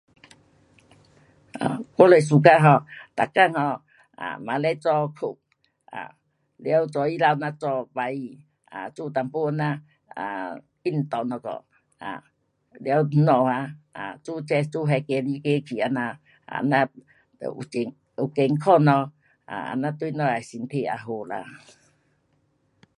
um 咱嘞 suka um 每天 um 晚里早睡，um 了早起来咱早起 um 做一点这样 um 运动一个，um 了在家 um 做这做那，走来走去，这样，这样就有健康咯，um 这样对咱的身体有好啦。